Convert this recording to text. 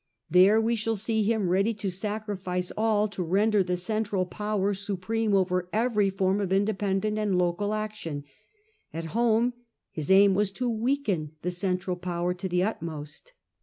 There we shall see him ready to sacrifice all to render the central power supreme over every form of independent and local action ; at home his aim was to weaken the central power to the utmost.